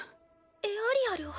エアリアルを？